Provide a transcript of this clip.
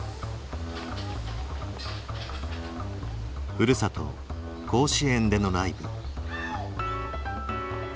ふるさと甲子園でのライブ。